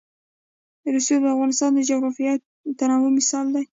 رسوب د افغانستان د جغرافیوي تنوع مثال دی.